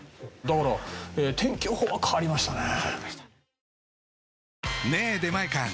だから天気予報は変わりましたね。